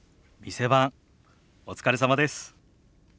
店番お疲れさまです。